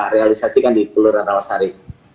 realisasikan di kelurahan awasari